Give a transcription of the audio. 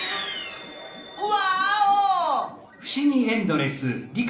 ワーオ！